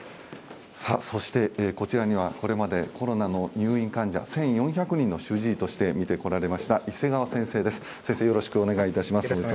そして、こちらにはこれまでコロナの入院患者、１４００人の主治医として診てこられました伊勢川先生です。